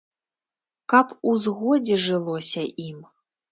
Каб у згодзе жылося ім.